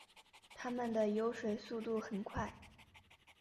它们的游水速度很快。